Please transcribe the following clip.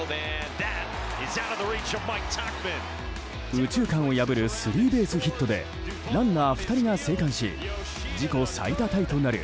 右中間を破るスリーベースヒットでランナー２人が生還し自己最多タイとなる